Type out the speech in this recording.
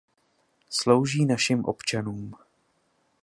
Slouží našim občanům.